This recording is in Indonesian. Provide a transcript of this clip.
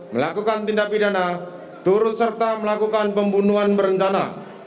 melakukan tindak pidana turut serta melakukan pembunuhan berencana